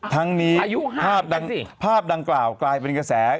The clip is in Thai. ทั้งนี้อายุภาพดังกล่าวกลายเป็นกระแส